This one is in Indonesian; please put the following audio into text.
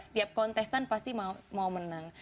setiap kontestan pasti mau menang